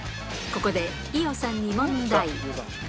ここで伊代さんに問題。